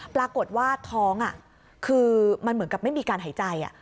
ปรากฏว่าท้องคือมันเหมือนกับไม่มีการหายใจ